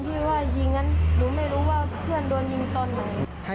ให้อภัยเค้ามั้ย